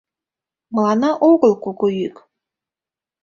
Мыланна огыл куку йӱк.